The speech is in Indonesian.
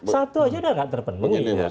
satu aja udah gak terpenuhi